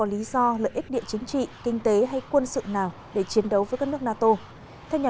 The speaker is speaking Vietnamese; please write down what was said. lý do lợi ích địa chính trị kinh tế hay quân sự nào để chiến đấu với các nước nato theo nhà